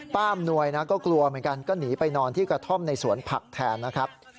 อำนวยนะก็กลัวเหมือนกันก็หนีไปนอนที่กระท่อมในสวนผักแทนนะครับ